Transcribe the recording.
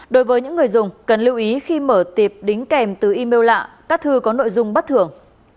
đối với những người dùng cần lưu ý khi mở tiệp đính kèm từ email lạ các thư có nội dung bất thường